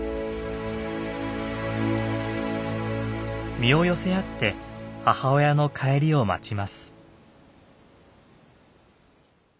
身を寄せ合って母親の帰りを待ちます。